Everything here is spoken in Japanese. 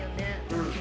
うん。